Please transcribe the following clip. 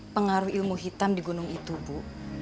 pengaruh ilmu hitam di gunung itu bu